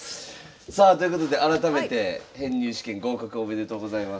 さあということで改めて編入試験合格おめでとうございます。